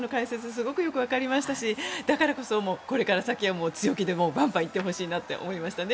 すごくよくわかりましたしだからこそこれから先は強気でバンバン行ってほしいなって思いましたね。